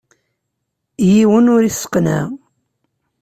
Yiwen ur isseqneɛ.